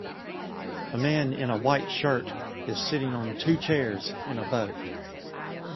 A man in a white shirt is sitting on two chairs in a boat